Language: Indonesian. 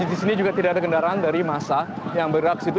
istirahat dan demo gitu